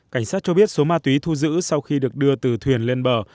cảnh sát cho biết số ma túy thu giữ sau khi được đưa từ thuyền lên bờ